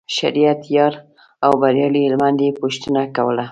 شریعت یار او بریالي هلمند یې پوښتنه کوله.